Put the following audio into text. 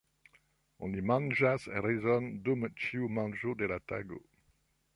Oni manĝas rizon dum ĉiu manĝo de la tago.